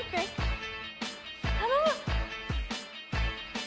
頼む。